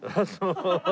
ハハハハ！